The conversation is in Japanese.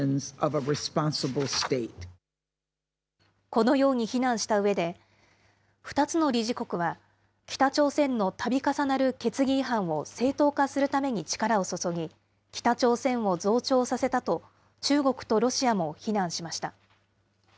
このように非難したうえで、２つの理事国は、北朝鮮のたび重なる決議違反を正当化するために力を注ぎ、北朝鮮を増長させたと、中国とロシアも非難しました。